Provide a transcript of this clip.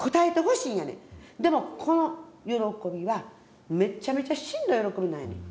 でもこの喜びはめっちゃめちゃしんどい喜びなんやねん。